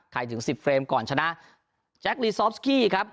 ถึง๑๐เฟรมก่อนชนะแจ็คลีซอฟสกี้ครับ